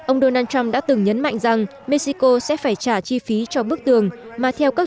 ông donald trump đã từng nhấn mạnh rằng mexico sẽ phải trả chi phí cho bức tường mà theo các